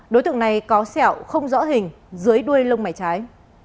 đối tượng này có sẹo không rõ hình dưới đuôi